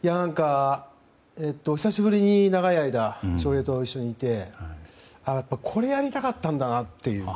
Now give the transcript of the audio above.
久しぶりに長い間、翔平と一緒にいてやっぱり、これをやりたかったんだなという。